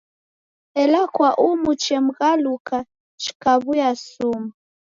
Ela kwa umu chemghaluka chikaw'uya sumu.